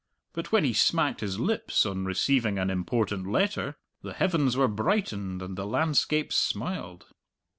But when he smacked his lips on receiving an important letter, the heavens were brightened and the landscapes smiled.